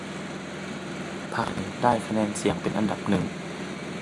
พรรคเพื่อไทยได้คะแนนเสียงเป็นอันดับหนึ่ง